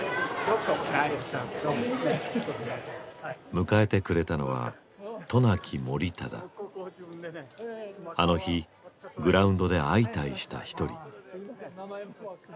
迎えてくれたのはあの日グラウンドで相対した一人。